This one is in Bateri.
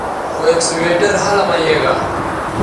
خو اکسویٹر ھلہ مہ یے گا